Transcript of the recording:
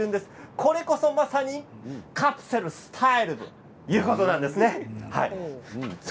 これこそ、まさにカプセルスタイルということなんですね。